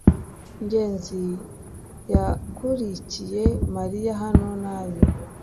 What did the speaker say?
ngenzi yakurikiye mariya hano nabi